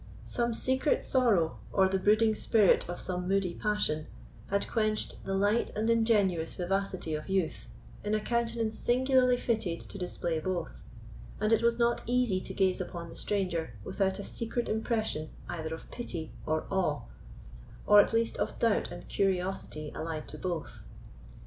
Some secret sorrow, or the brooding spirit of some moody passion, had quenched the light and ingenuous vivacity of youth in a countenance singularly fitted to display both, and it was not easy to gaze on the stranger without a secret impression either of pity or awe, or at least of doubt and curiosity allied to both.